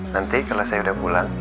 nanti kalau saya udah pulang